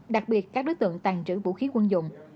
đặc biệt các đối tượng tàn trữ vũ khí quân dụng